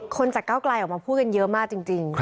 จากเก้าไกลออกมาพูดกันเยอะมากจริง